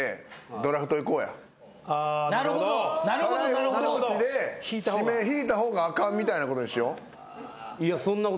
辛い方同士で指名引いた方があかんみたいなことにしよう。